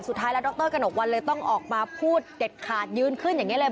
สุดท้ายแล้วดรกระหนกวันเลยต้องออกมาพูดเด็ดขาดยืนขึ้นอย่างนี้เลย